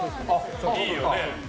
いいよね。